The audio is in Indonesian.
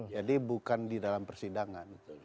bukan di dalam persidangan